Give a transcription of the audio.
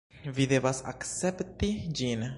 Vi devas akcepti ĝin.